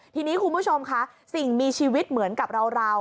ทีนี้คุณผู้ชมค่ะสิ่งมีชีวิตเหมือนกับเรา